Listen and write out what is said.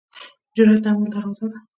جرئت د عمل دروازه ده.